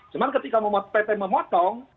cuma ketika pt memotong